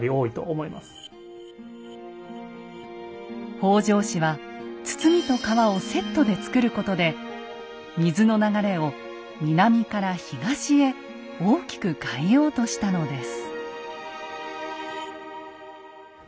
北条氏は堤と川をセットで造ることで水の流れを南から東へ大きく変えようとしたのです。